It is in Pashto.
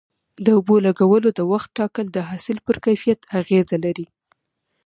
د اوبو لګولو د وخت ټاکل د حاصل پر کیفیت اغیزه لري.